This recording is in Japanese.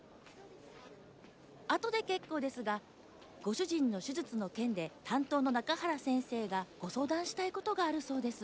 後で結構ですがご主人の手術の件で担当の中原先生がご相談したいことがあるそうです。